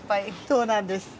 そうなんです。